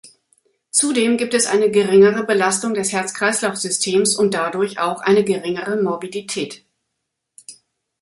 Zudem gibt es eine geringere Belastung des Herz-Kreislauf-Systems und dadurch auch eine geringere Morbidität.